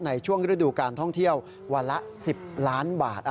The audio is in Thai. ในช่วงฤดูการท่องเที่ยววันละ๑๐ล้านบาท